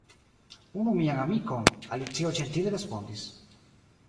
"Unu mian amikon," Alicio ĝentile respondis. "